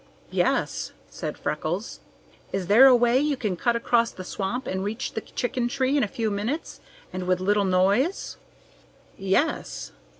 "Yes," said Freckles. "Is there a way you can cut across the swamp and reach the chicken tree in a few minutes, and with little noise?" "Yes."